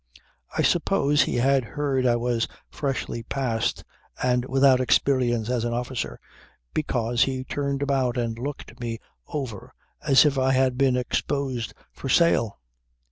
"I suppose he had heard I was freshly passed and without experience as an officer, because he turned about and looked me over as if I had been exposed for sale.